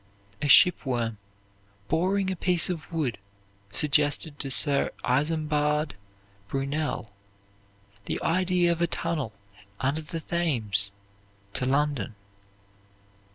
A ship worm boring a piece of wood suggested to Sir Isambard Brunel the idea of a tunnel under the Thames at London.